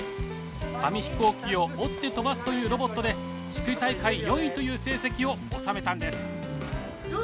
紙飛行機を折って飛ばすというロボットで地区大会４位という成績を収めたんです。